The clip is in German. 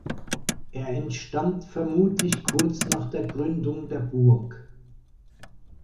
Er entstand vermutlich kurz nach der Gründung der Burg.